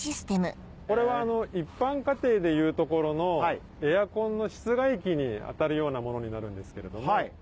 これは一般家庭でいうところのエアコンの室外機に当たるようなものになるんですけれども。